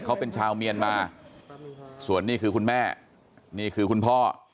เขาเป็นชาวเมียนมาส่วนนี้คือคุณแม่นี่คือคุณพ่อ